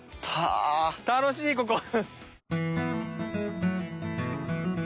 楽しいここ。